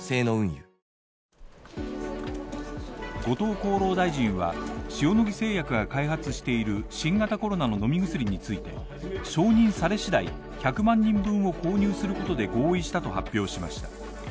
後藤厚労大臣は、塩野義製薬が開発している新型コロナの飲み薬について承認され次第１００万人分を購入することで合意したと発表しました。